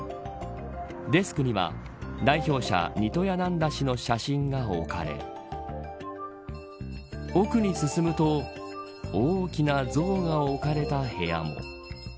デスクには、代表者ニトヤナンダ氏の写真が置かれ奥に進むと大きな像が置かれた部屋も。